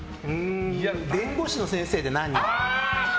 弁護士の先生で何人か。